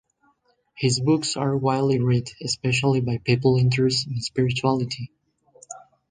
His books are widely read, especially by people interested in spirituality.